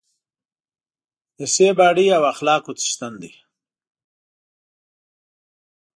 د ښې باډۍ او اخلاقو څښتن دی.